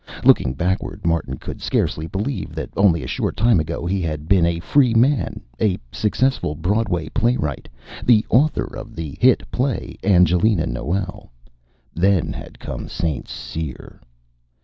Looking backward, Martin could scarcely believe that only a short time ago he had been a free man, a successful Broadway playwright, the author of the hit play Angelina Noel. Then had come St. Cyr....